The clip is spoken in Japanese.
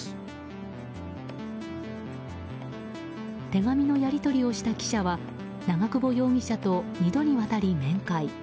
手紙のやり取りをした記者は長久保容疑者と２度にわたり面会。